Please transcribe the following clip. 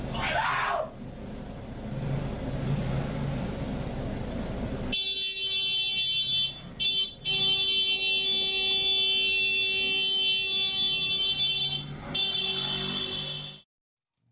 ถอยแล้ว